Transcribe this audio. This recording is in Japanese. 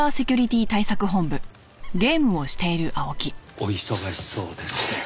お忙しそうですね。